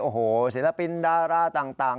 โอ้โหศิลปินดาราต่าง